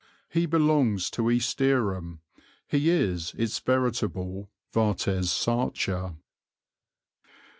He belongs to East Dereham, he is its veritable vates sacer.